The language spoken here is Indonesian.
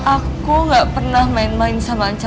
aku gak pernah main main sama anca